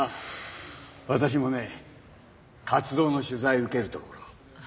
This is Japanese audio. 私もね活動の取材受けるところ。